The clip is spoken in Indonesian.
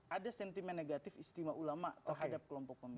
ada sentimen negatif istimewa ulama terhadap kelompok pemilih